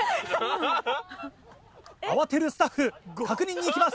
慌てるスタッフ確認に行きます。